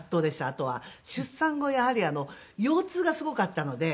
あとは出産後やはり腰痛がすごかったので。